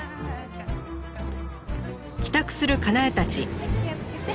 はい気をつけて。